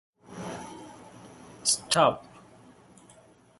The political significance of the role is also utilised by the Chinese state.